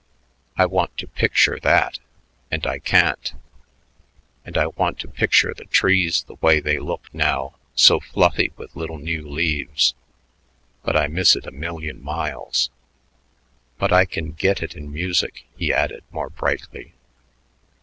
I want to picture that and I can't; and I want to picture the trees the way they look now so fluffy with tiny new leaves, but I miss it a million miles.... But I can get it in music," he added more brightly.